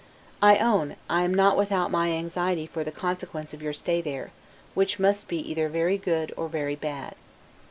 I own, I am not without my anxiety for the consequence of your stay there, which must be either very good or very bad.